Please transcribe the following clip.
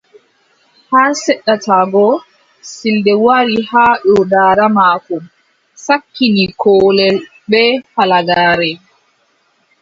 Haa seɗata go, siilde wari haa dow daada maako, sakkini koolel bee halagaare.